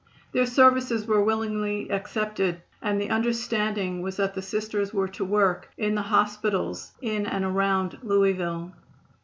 Their services were willingly accepted, and the understanding was that the Sisters were to work in the hospitals in and around Louisville.